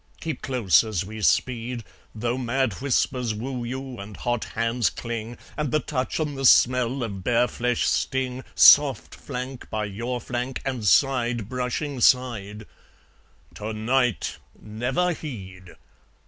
Keep close as we speed, Though mad whispers woo you, and hot hands cling, And the touch and the smell of bare flesh sting, Soft flank by your flank, and side brushing side TO NIGHT never heed!